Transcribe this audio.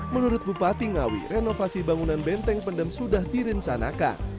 menurut bupati ngawi renovasi bangunan benteng pendem sudah direncanakan